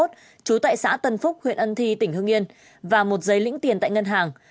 trú tại xã tân phúc huyện ân thi tỉnh hương yên và một giấy lĩnh tiền tại ngân hàng